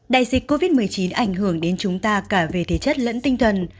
đại dịch covid một mươi chín ảnh hưởng đến chúng ta cả về thể chất lẫn tinh thần